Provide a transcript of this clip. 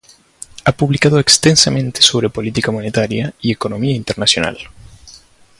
Ha publicado extensamente sobre política monetaria y economía internacional.